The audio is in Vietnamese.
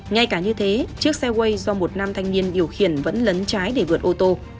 ngay cả như thế chiếc xe way do một nam thanh niên điều khiển vẫn lấn trái để vượt ô tô